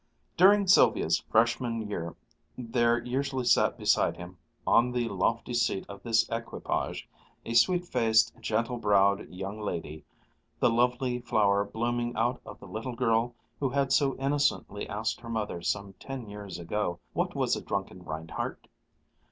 During Sylvia's Freshman year there usually sat beside him, on the lofty seat of this equipage, a sweet faced, gentle browed young lady, the lovely flower blooming out of the little girl who had so innocently asked her mother some ten years ago what was a drunken reinhardt.